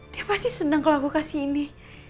dia pasti senang kalau aku kasih ini